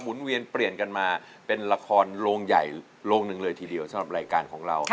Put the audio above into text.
เวียนเปลี่ยนกันมาเป็นละครโรงใหญ่โรงหนึ่งเลยทีเดียวสำหรับรายการของเรา